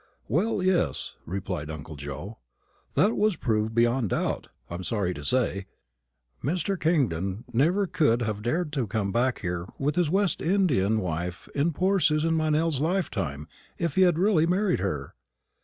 "Well, yes," replied uncle Joe; "that was proved beyond doubt, I'm sorry to say. Mr. Kingdon never could have dared to come back here with his West Indian wife in poor Susan Meynell's lifetime if he had really married her."